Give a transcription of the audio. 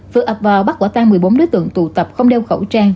vừa ập vào bắt quả tan một mươi bốn đối tượng tụ tập không đeo khẩu trang